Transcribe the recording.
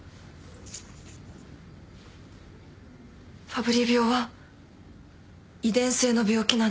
ファブリー病は遺伝性の病気なの。